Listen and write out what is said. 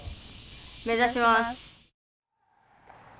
目指します。